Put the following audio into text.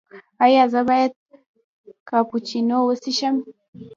ایا زه باید کاپوچینو وڅښم؟